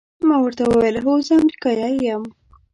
ما ورته وویل: هو، زه امریکایی یم.